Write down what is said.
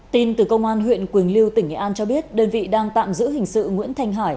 tin từ công an huyện quỳnh lưu tỉnh nghệ an cho biết đơn vị đang tạm giữ hình sự nguyễn thanh hải